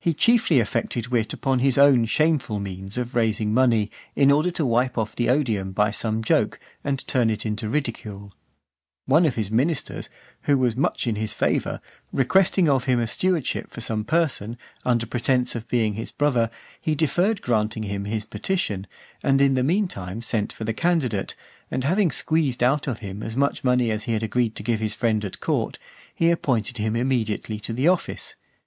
He chiefly affected wit upon his own shameful means of raising money, in order to wipe off the odium by some joke, and turn it into ridicule. One of his ministers, who was much in his favour, requesting of him a stewardship for some person, under pretence of his being his brother, he deferred granting him his petition, and in the meantime sent for the candidate, and having squeezed out of him as much money as he had agreed to give to his friend at court, he appointed him immediately to the office.